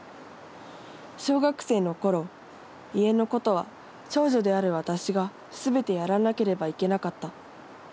小学生の頃家のことは長女である私が全てやらなければいけなかった。